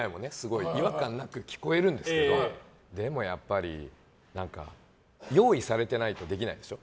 違和感なく聞こえるんですけどでも、やっぱり用意されてないとできないでしょ。